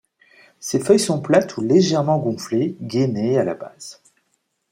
Ses feuilles sont plates ou légèrement gonflées, gainées à la base.